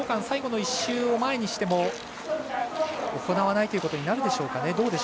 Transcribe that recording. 最後の１周を前にしても行わないことになるんでしょうか。